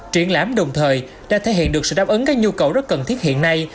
triển lãm đồng thời đã thể hiện được sự đáp ứng các nhu cầu rất cần thiết hiện nay